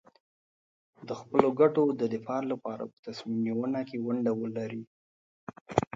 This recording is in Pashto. د خپلو ګټو د دفاع لپاره په تصمیم نیونه کې ونډه ولري.